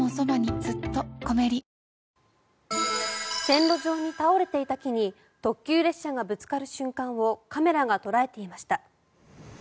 線路上に倒れていた木に特急列車がぶつかる瞬間をカメラが捉えていました。